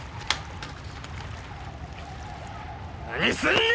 何すんだ！